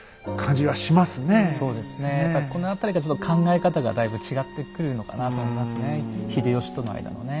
やっぱりこの辺りからちょっと考え方がだいぶ違ってくるのかなと思いますね秀吉との間のね。